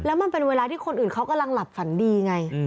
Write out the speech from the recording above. แล้วมันเป็นเวลาที่คนอื่นเขากำลังหลับฝันดีไง